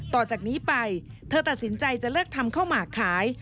ต่อจากนี้ไปเธอตัดสินใจจะเลิกทำข้าวหมากขาย